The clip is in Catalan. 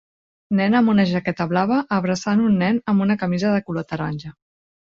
Nena amb una jaqueta blava abraçant un nen amb una camisa de color taronja